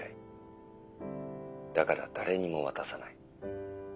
「だから誰にも渡さない」。